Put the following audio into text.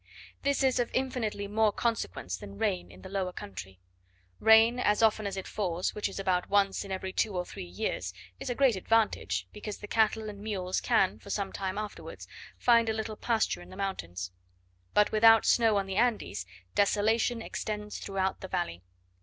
This is of infinitely more consequence than rain in the lower country. Rain, as often as it falls, which is about once in every two or three years, is a great advantage, because the cattle and mules can for some time afterwards find a little pasture in the mountains. But without snow on the Andes, desolation extends throughout the valley.